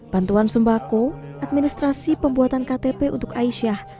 bantuan sembako administrasi pembuatan ktp untuk aisyah